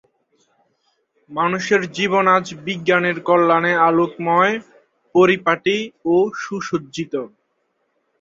মানুষের জীবন আজ বিজ্ঞানের কল্যাণে আলোকময়, পরিপাটি ও সুসজ্জিত।